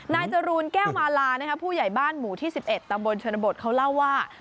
จรูนแก้วมาลาผู้ใหญ่บ้านหมู่ที่๑๑ตำบลชนบทเขาเล่าว่า